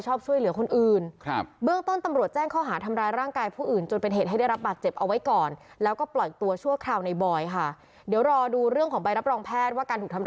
ชาวตอรสตรวจตรีวินิต